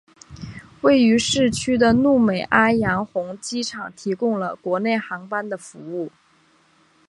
位于市区的努美阿洋红机场提供了国内航班的服务。